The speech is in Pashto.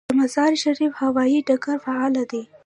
د مزار شریف هوايي ډګر فعال دی